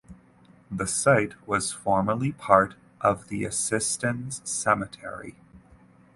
The site was formerly part of Assistens Cemetery.